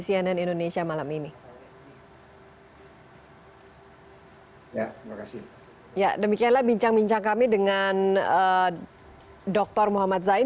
cnn indonesia malam ini ya demikianlah bincang bincang kami dengan dokter muhammad zain